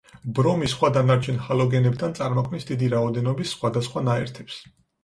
ბრომი სხვა დანარჩენ ჰალოგენებთან წარმოქმნის დიდი რაოდენობის სხვადასხვა ნაერთებს.